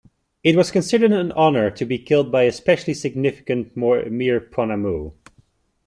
It was considered an honour to be killed by a specially significant mere pounamu.